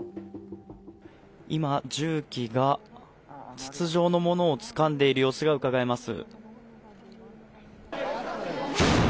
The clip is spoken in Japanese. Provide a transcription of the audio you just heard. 今、重機が筒状のものをつかんでいる様子がうかがえます。